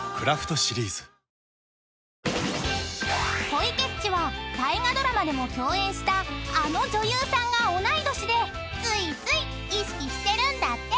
［小池っちは大河ドラマでも共演したあの女優さんが同い年でついつい意識してるんだって］